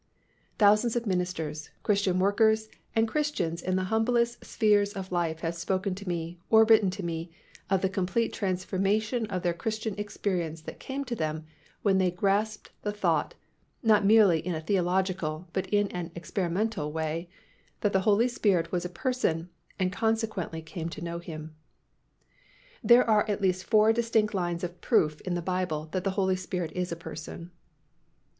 Thousands of ministers, Christian workers and Christians in the humblest spheres of life have spoken to me, or written to me, of the complete transformation of their Christian experience that came to them when they grasped the thought (not merely in a theological, but in an experimental way) that the Holy Spirit was a Person and consequently came to know Him. There are at least four distinct lines of proof in the Bible that the Holy Spirit is a person.